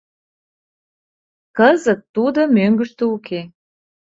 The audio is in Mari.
— Кызыт тудо мӧҥгыштӧ уке.